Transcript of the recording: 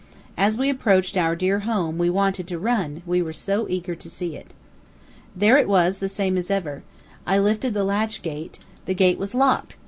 As we approached our dear home, we wanted to run, we were so eager to see it. There it was, the same as ever. I lifted the gate latch; the gate was locked.